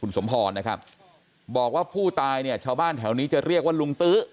สมพรนะครับบอกว่าผู้ตายเนี่ยชาวบ้านแถวนี้จะเรียกว่าลุงตื้อ